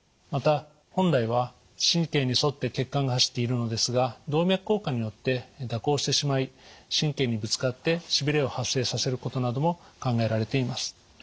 また本来は神経に沿って血管が走っているのですが動脈硬化によって蛇行してしまい神経にぶつかってしびれを発生させることなども考えられています。